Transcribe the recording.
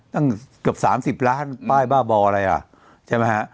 ตั้งเกือบ๓๐ล้านป้ายบ้าบออะไรอ่ะใช่ไหมฮะ